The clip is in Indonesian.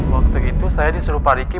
waktu itu saya disuruh pariki